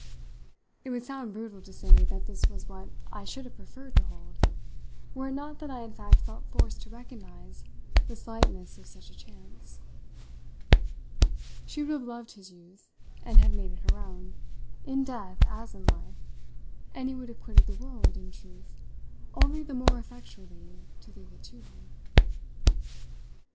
It would sound brutal to say that this was what I should have preferred to hold, were it not that I in fact felt forced to recognise the slightness of such a chance. She would have loved his youth, and have made it her own, in death as in life, and he would have quitted the world, in truth, only the more effectually to leave it to her.